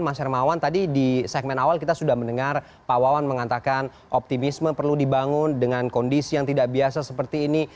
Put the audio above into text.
mas hermawan tadi di segmen awal kita sudah mendengar pak wawan mengatakan optimisme perlu dibangun dengan kondisi yang tidak biasa seperti ini